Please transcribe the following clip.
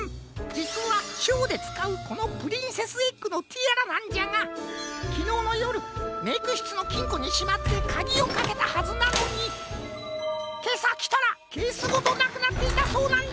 じつはショーでつかうこのプリンセスエッグのティアラなんじゃがきのうのよるメイクしつのきんこにしまってかぎをかけたはずなのにけさきたらケースごとなくなっていたそうなんじゃ。